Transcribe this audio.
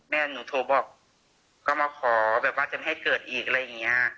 แม่หนูโทรบอกก็มาขอแบบว่าจะไม่ให้เกิดอีกอะไรอย่างนี้